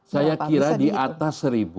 saya kira di atas seribu